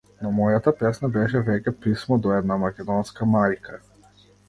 Но мојата песна беше веќе писмо до една македонска мајка.